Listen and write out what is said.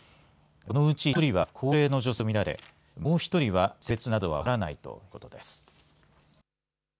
このうち１人は、高齢の女性と見られ、もう１人は性別などは分からないということです。